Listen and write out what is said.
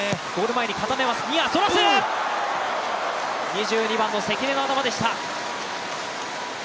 ２２番の関根の頭でした。